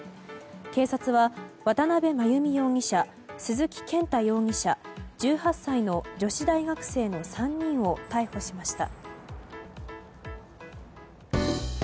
警察は、渡邉真由美容疑者鈴木健太容疑者１８歳の女子大学生の３人を逮捕しました。